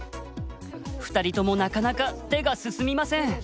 ２人ともなかなか手が進みません。